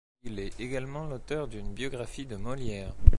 Il est également l’auteur d’une biographie de Molière.